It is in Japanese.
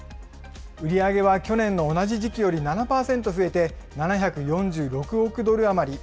売り上げは去年の同じ時期より７％増えて、７４６億ドル余り。